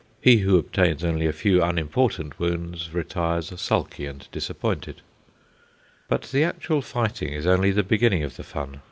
He who obtains only a few unimportant wounds retires sulky and disappointed. But the actual fighting is only the beginning of the fun.